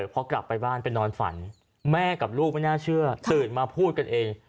พอกลับไปบ้านไปนอนฝันแม่กับลูกไม่น่าเชื่อตื่นมาพูดกันเอง